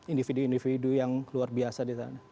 individu individu yang luar biasa di sana